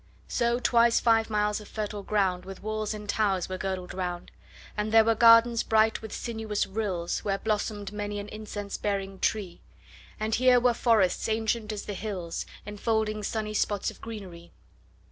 5 So twice five miles of fertile ground With walls and towers were girdled round: And there were gardens bright with sinuous rills Where blossom'd many an incense bearing tree; And here were forests ancient as the hills, 10 Enfolding sunny spots of greenery.